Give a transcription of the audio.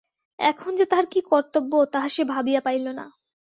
এখন যে তাহার কী কর্তব্য তাহা সে ভাবিয়া পাইল না।